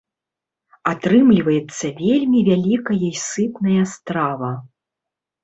Атрымліваецца вельмі вялікая і сытная страва.